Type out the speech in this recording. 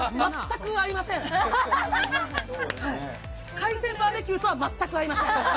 海鮮バーベキューとは全く合いません。